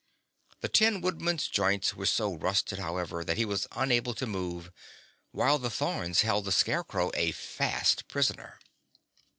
The Tin Woodman's joints were so rusted, however, that he was unable to move, while the thorns held the Scarecrow a fast prisoner.